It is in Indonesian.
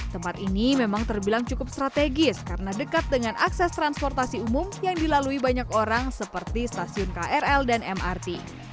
tempat ini memang terbilang cukup strategis karena dekat dengan akses transportasi umum yang dilalui banyak orang seperti stasiun krl dan mrt